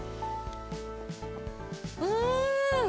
うん！